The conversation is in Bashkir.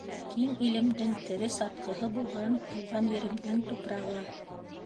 Киң илемдең тере сатҡыһы булған тыуған еремдең тупрағы!